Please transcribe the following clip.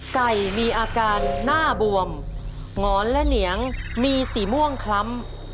ไก่มีอาการหน้าบวมหงอนและเหนียงมีสีม่วงคล้ำ